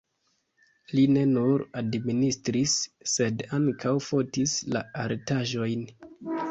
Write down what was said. Li ne nur administris, sed ankaŭ fotis la artaĵojn.